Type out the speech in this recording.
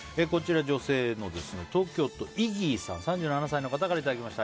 女性の東京都の３７歳の方からいただきました。